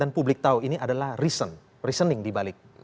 dan publik tahu ini adalah reasoning di balik